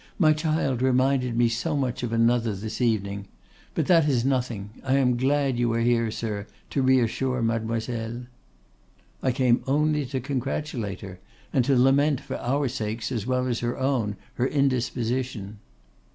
My child reminded me so much of another this evening. But that is nothing. I am glad you are here, sir, to reassure Mademoiselle.' 'I came only to congratulate her, and to lament, for our sakes as well as her own, her indisposition.